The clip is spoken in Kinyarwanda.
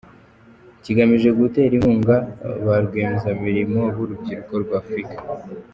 Kigamije gutera inkunga ba rwiyemezamirimo b’urubyiruko rwa Afurika.